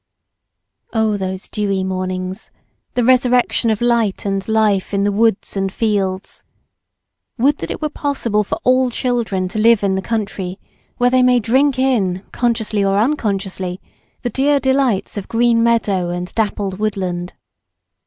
Oh, those dewy mornings—the resurrection of light and life in the woods and fields! Would that it were possible for all children to live in the country where they may' drink in, consciously or unconsciously, the dear delights of green meadow and dappled woodland!